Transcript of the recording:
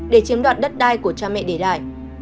để chiếm đoạt đất đai của cha mẹ để lại